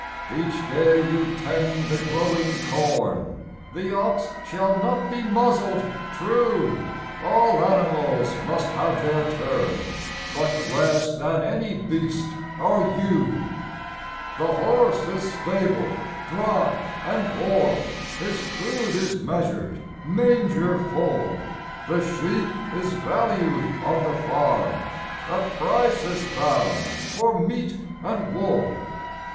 Each day you tend the growing corn, 'The ox shall not be muzzled' True! All animals must have their turn; But less than any beast are you! The horse is stabled, dry and warm, His food is measured, manger full; The sheep is valued on the farm, A price is found for meat and wool.